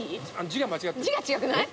字が違くない？